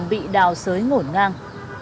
đường bị đào sới ngổn ngang